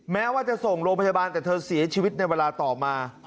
แม้ว่าจะส่งโรงพยาบาลแต่เธอเสียชีวิตในเวลาต่อมา